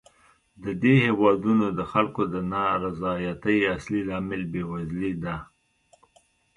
د دې هېوادونو د خلکو د نا رضایتۍ اصلي لامل بېوزلي ده.